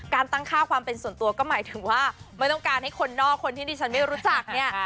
การตั้งค่าความเป็นส่วนตัวก็หมายถึงว่าไม่ต้องการให้คนนอกคนที่ดิฉันไม่รู้จักเนี่ย